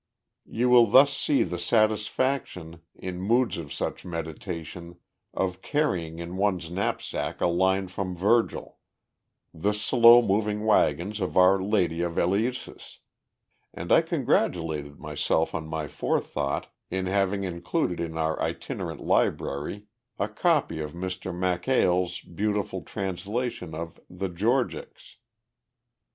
You will thus see the satisfaction, in moods of such meditation, of carrying in one's knapsack a line from Virgil "the slow moving wagons of our Lady of Eleusis" and I congratulated myself on my forethought in having included in our itinerant library a copy of Mr. Mackail's beautiful translation of "The Georgics."